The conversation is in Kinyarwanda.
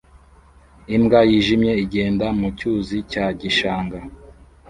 Imbwa yijimye igenda mu cyuzi cya gishanga